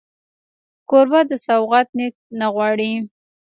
کوربه د سوغات نیت نه غواړي.